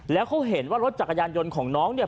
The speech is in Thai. แล้วเขาเห็นว่ารถจักรยานยนต์ของน้องเนี่ย